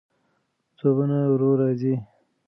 ځوابونه ورو راځي.